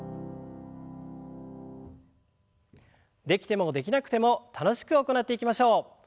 できてもできなくても楽しく行っていきましょう。